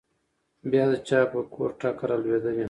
بيا د چا په کور ټکه رالوېدلې؟